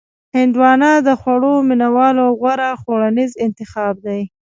هندوانه د خوږو مینوالو غوره خوړنیز انتخاب دی.